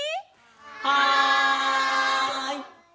はい！